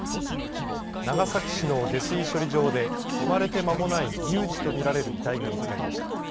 長崎市の下水処理場で生まれてまもない乳児とみられる遺体が見つかりました。